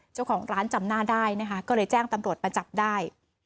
เจ้าของร้านจำหน้าได้นะคะก็เลยแจ้งตำรวจมาจับได้